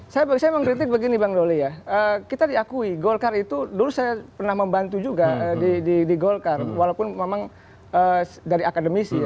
saya mengkritik begini bang doli ya kita diakui golkar itu dulu saya pernah membantu juga di golkar walaupun memang dari akademisi ya